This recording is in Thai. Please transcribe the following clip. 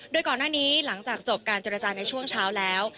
โดยก่อนหน้านี้หลังจากจบการเจรจาในช่วงเช้าแล้ว